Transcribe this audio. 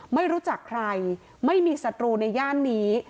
ไม่รู้จักใครไม่มีศัตรูในย่านนี้